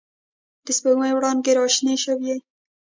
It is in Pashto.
د سپوږ مۍ وړانګې را شنې شوې